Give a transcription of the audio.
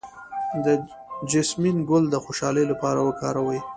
د جیسمین ګل د خوشحالۍ لپاره وکاروئ